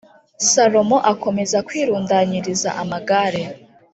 Salomo akomeza kwirundanyiriza amagare